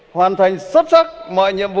hoàn thành xuất sắc mọi nhiệm vụ